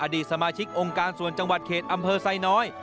ดีสมาชิกองค์การส่วนจังหวัดเขตอำเภอไซน้อย